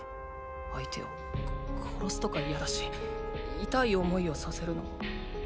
相手を殺すとか嫌だし痛い思いをさせるのも嫌だ。